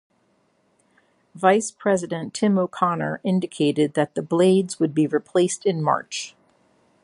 Vice President Tim O'Connor indicated that the blades would be replaced in March.